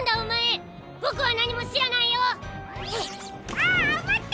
あっまって！